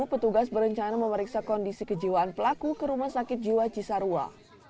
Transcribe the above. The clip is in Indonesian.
petugas berencana memeriksa kondisi kejiwaan pelaku ke rumah sakit jiwa cisarua